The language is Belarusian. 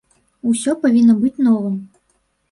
Усё павінна быць новым.